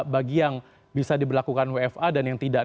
bagi yang bisa diberlakukan wfa dan yang tidak